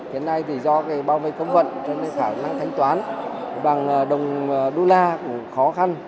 hiện nay thì do bao vây công vận cho nên khả năng thanh toán bằng đồng đô la cũng khó khăn